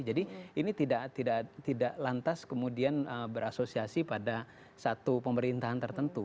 jadi ini tidak lantas kemudian berasosiasi pada satu pemerintahan tertentu